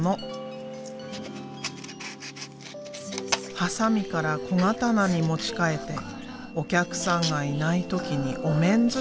ハサミから小刀に持ち替えてお客さんがいない時にお面作り。